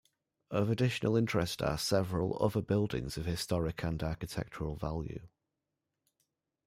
Of additional interest are several other buildings of historic and architectural value.